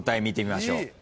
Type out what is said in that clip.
見てみましょう。